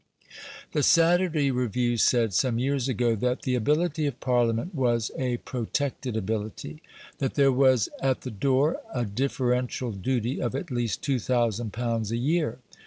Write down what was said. The Saturday Review said, some years since, that the ability of Parliament was a "protected ability": that there was at the door a differential duty of at least 2000 pounds a year.